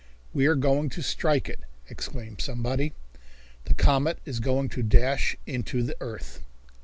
"We are going to strike it!" exclaimed somebody. "The comet is going to dash into the earth."